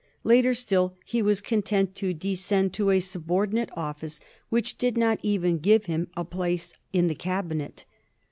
Later still he was content to descend to a subordinate office which did not even give him a place in the Cabinet.